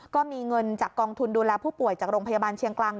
ก็มีเงินจากกองทุนดูแลผู้ป่วยจากโรงพยาบาลเชียงกลาง